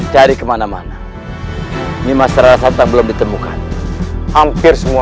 cari kemana mana lima masalah santang belum ditemukan hampir semua goa